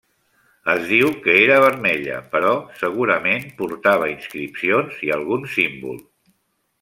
Es diu que era vermella però segurament portava inscripcions i algun símbol.